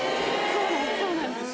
そうなんです。